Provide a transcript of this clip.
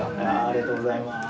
ありがとうございます。